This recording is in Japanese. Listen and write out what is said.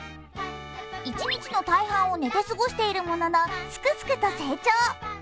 一日の大半を寝て過ごしているものの、すくすくと成長。